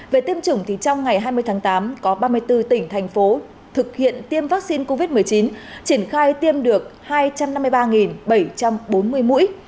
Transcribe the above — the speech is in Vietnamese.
về tiêm chủng trong ngày hai mươi tháng tám có ba mươi bốn tỉnh thành phố thực hiện tiêm vaccine covid một mươi chín triển khai tiêm được hai trăm năm mươi ba bảy trăm bốn mươi mũi